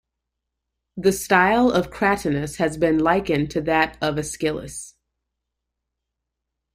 The style of Cratinus has been likened to that of Aeschylus.